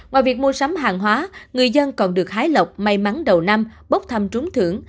ngoài việc mua sắm hàng hóa người dân còn được hái lộc may mắn đầu năm bốc thăm trúng thưởng